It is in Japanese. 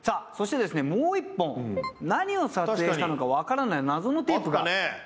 もう一本何を撮影したのか分からない謎のテープが。